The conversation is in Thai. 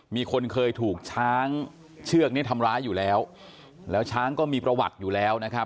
มีคนเคยถูกช้างเชือกนี้ทำร้ายอยู่แล้วแล้วช้างก็มีประวัติอยู่แล้วนะครับ